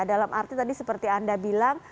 dalam arti tadi seperti anda bilang